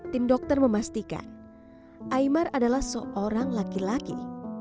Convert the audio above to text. tim dokter memastikan imar adalah seorang laki laki